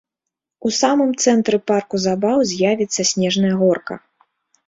У самым цэнтры парку забаў з'явіцца снежная горка.